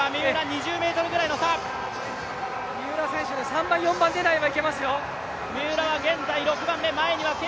三浦選手、３番、４番狙いはいけますよ。